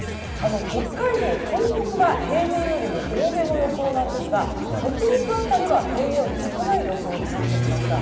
北海道、東北は平年よりも多めの予想なんですが北陸辺りは平年より少ない予測になってきました。